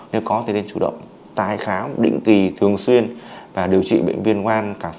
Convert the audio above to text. nếu có thì nên chủ động tai khám định kỳ thường xuyên và điều trị bệnh viên gan càng sớm càng tốt